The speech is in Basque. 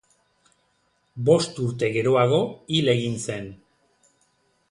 Bost urte geroago hil egin zen.